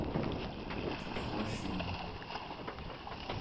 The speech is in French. Trois chiens.